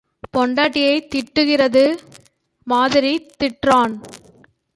பெண்டாட்டியைத் திட்டுறது மாதிரி திட்டுறான்.